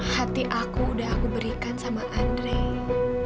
hati aku udah aku berikan sama andre